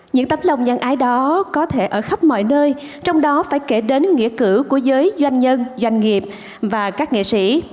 những tấm lòng nhân ái đó có thể ở khắp mọi nơi trong đó phải kể đến nghĩa cử của giới doanh nhân doanh nghiệp và các nghệ sĩ